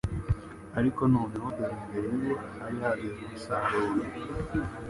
ariko noneho dore imbere ye hari hageze umusaruro